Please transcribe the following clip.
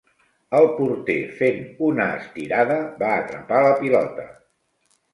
El porter, fent una estirada, va atrapar la pilota.